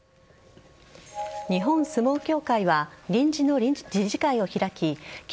日本相撲協会は臨時の理事会を開き霧